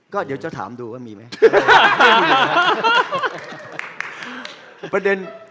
ก็เดี๋ยวจะถามดูว่ามีไหม